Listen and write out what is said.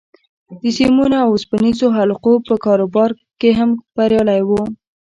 د سيمونو او اوسپنيزو حلقو په کاروبار کې هم بريالی و.